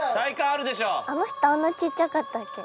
あの人あんな小っちゃかったっけ。